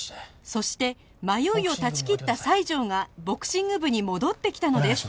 そして迷いを断ち切った西条がボクシング部に戻ってきたのです